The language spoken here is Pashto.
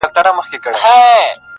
حقيقت بايد ومنل سي دلته,